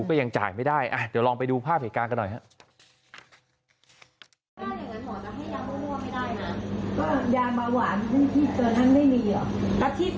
ก็ยังจ่ายไม่ได้เดี๋ยวลองไปดูภาพเหตุการณ์กันหน่อยครับ